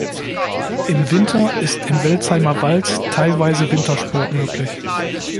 Im Winter ist im Welzheimer Wald teilweise Wintersport möglich.